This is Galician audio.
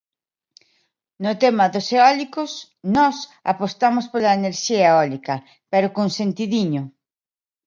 No tema dos eólicos, nós apostamos pola enerxía eólica, pero con sentidiño.